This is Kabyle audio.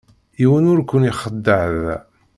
Yiwen ur ken-ixeddeε da.